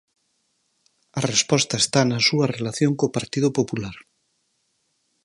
A resposta está na súa relación co Partido Popular.